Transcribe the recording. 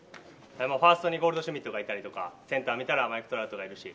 ファーストにゴールドシュミットがいたりとかセンター見たらマイク・トラウトがいるし。